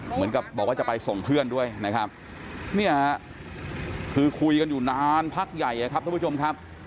เหมือนกับบอกว่าจะไปส่งเพื่อนด้วยนะครับเนี่ยคือคุยกันอยู่นานพักใหญ่ครับทุกผู้ชมครับ